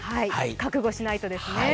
覚悟しないとですね。